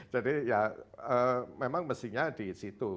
jadi ya memang mestinya di situ